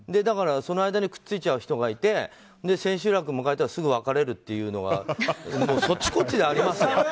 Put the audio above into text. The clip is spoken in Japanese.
その間にくっついちゃう人がいて千秋楽迎えたらすぐ別れるというのはそっちこっちでありますよ。